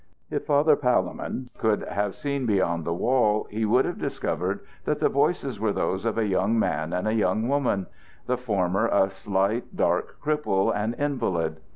If Father Palemon could have seen beyond the wall, he would have discovered that the voices were those of a young man and a young woman the former a slight, dark cripple, and invalid.